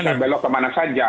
dia bisa belok kemana saja